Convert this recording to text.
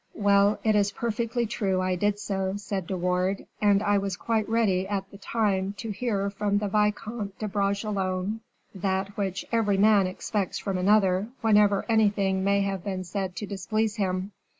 "Well, it is perfectly true I did so," said De Wardes, "and I was quite ready, at the time, to hear from the Vicomte de Bragelonne that which every man expects from another whenever anything may have been said to displease him.